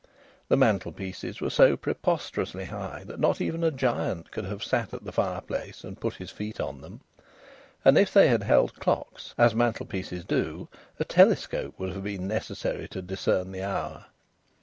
The mantelpieces were so preposterously high that not even a giant could have sat at the fireplace and put his feet on them. And if they had held clocks, as mantelpieces do, a telescope would have been necessary to discern the hour.